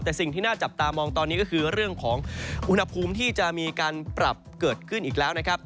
แต่สิ่งที่น่าจับตามองตอนนี้ก็คือเรื่องของอุณหภูมิที่จะมีการปรับเกิดขึ้นอีกแล้วนะครับ